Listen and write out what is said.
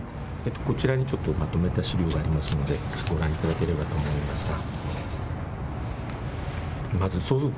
こちらにまとめた資料がありますのでご覧いただければと思いますが。